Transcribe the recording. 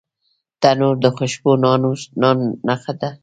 تنور د خوشبو نان نښه ده